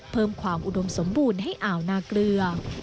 เพิ่มความอุดมสมบูรณ์ให้อ่าวนาเกลือ